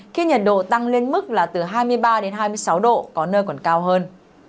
khi nhiệt độ tăng lên mức là từ hai mươi ba đến hai mươi sáu độ có nơi còn cao hơn